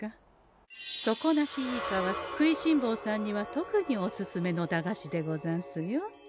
「底なしイカ」は食いしんぼうさんには特におすすめの駄菓子でござんすよ。